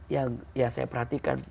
yang ya saya perhatikan